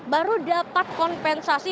baru dapat kompensasi